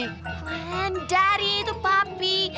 klan dari itu papi